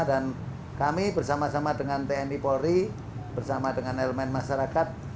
dan kami bersama sama dengan tni polri bersama dengan elemen masyarakat